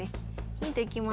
ヒントいきます。